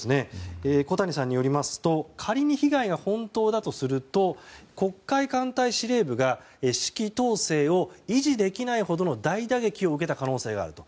小谷さんによりますと仮に被害が本当だとすると黒海艦隊司令部が指揮統制を維持できないほどの大打撃を受けた可能性があると。